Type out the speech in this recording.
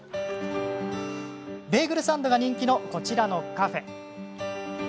ベーグルサンドが人気のこちらのカフェ。